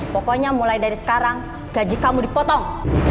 pokoknya mulai dari sekarang gaji kamu dipotong